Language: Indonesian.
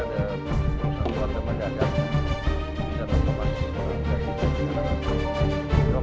terima kasih pak thomas